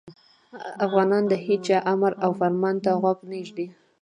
افغانان د هیچا امر او فرمان ته غوږ نه ږدي.